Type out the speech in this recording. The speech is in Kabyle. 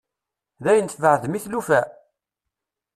Dayen tbeɛɛdem i tlufa?